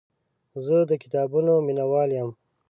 زه د کتابونو مینهوال یم.